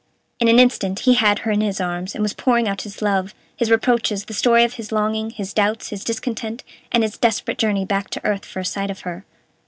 In an instant he had her in his arms, and was pouring out his love, his reproaches, the story of his longing, his doubts, his discontent, and his desperate journey back to earth for a sight of her.